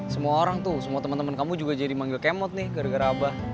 semua orang tuh semua teman teman kamu juga jadi manggil kemot nih gara gara abah